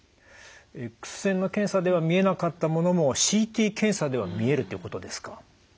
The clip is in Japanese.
エックス線の検査では見えなかったものもＣＴ検査では見えるっていうことですか？